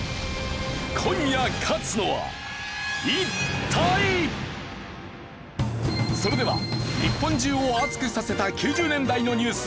今夜それでは日本中を熱くさせた９０年代のニュース